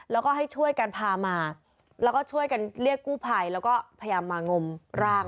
แล้วก็ให้ช่วยกันพามาแล้วก็ช่วยกันเรียกกู้ภัยแล้วก็พยายามมางมร่าง